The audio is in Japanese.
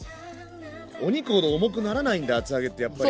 お肉ほど重くならないんだ厚揚げってやっぱり。